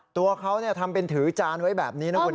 ตัวเขาทำเป็นถือจานไว้แบบนี้นะคุณ